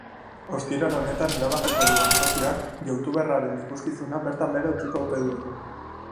Ostiral honetan erabakiko du antzokiak youtuberraren ikuskizuna bertan behera utziko ote duen.